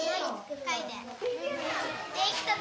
できたぞ！